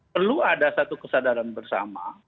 perlu ada satu kesadaran bersama